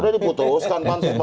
udah diputuskan pansus